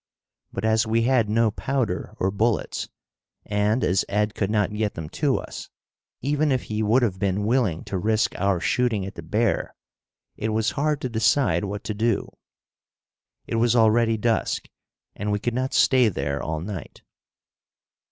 But, as we had no powder or bullets, and as Ed could not get them to us, even if he would have been willing to risk our shooting at the bear, it was hard to decide what to do. It was already dusk and we could not stay there all night.